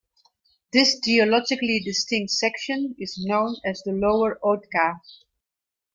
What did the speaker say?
This geologically distinct section is known as the lower Oatka.